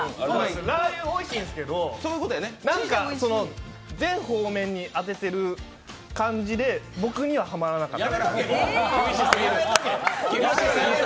ラー油おいしいんすけど、なんか全方面に当ててる感じで僕にはハマらなかった。